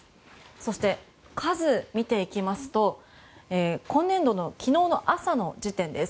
そして数を見ていきますと今年度の、昨日の朝の時点です。